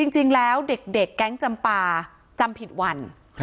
จริงแล้วเด็กแก๊งจำปาจำผิดวัน